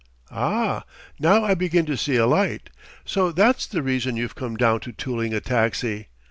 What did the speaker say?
"Ah, now I begin to see a light! So that's the reason you've come down to tooling a taxi.